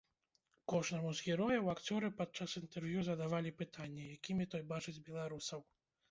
Кожнаму з герояў акцёры падчас інтэрв'ю задавалі пытанне, якімі той бачыць беларусаў.